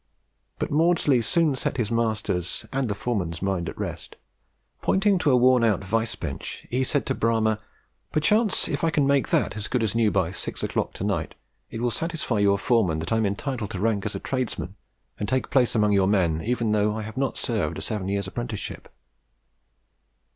But Maudslay soon set his master's and the foreman's mind at rest. Pointing to a worn out vice bench, he said to Bramah, "Perhaps if I can make that as good as new by six o'clock to night, it will satisfy your foreman that I am entitled to rank as a tradesman and take my place among your men, even though I have not served a seven years' apprenticeship."